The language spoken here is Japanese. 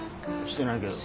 してないけど。